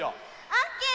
オッケー！